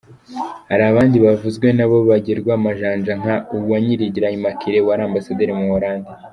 Hari abandi bavuzwe nabo bagerwa amajanja nka Uwanyirigira Immaculée wari Ambassaderi mu Buhorandi.